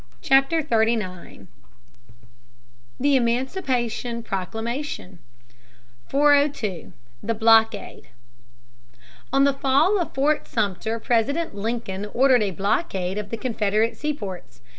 CHAPTER 39 THE EMANCIPATION PROCLAMATION [Sidenote: The blockade.] 402. The Blockade. On the fall of Fort Sumter President Lincoln ordered a blockade of the Confederate seaports.